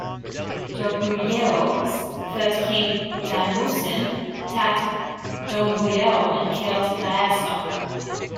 Goguryeo's third king Daemusin attacked Dongbuyeo and killed Daeso.